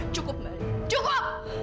cukup mbak alia cukup